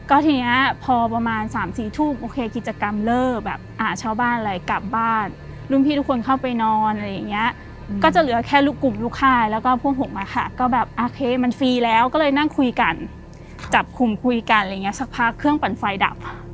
ก็ทีนี้พอประมาณ๓๔ทุ่มโอเคกิจกรรมเลิกแบบชาวบ้านอะไรกลับบ้านรุ่นพี่ทุกคนเข้าไปนอนอะไรอย่างเงี้ยก็จะเหลือแค่ลูกกลุ่มลูกค่ายแล้วก็พวกผมอะค่ะก็แบบโอเคมันฟรีแล้วก็เลยนั่งคุยกันจับกลุ่มคุยกันอะไรอย่างเงี้สักพักเครื่องปั่นไฟดับ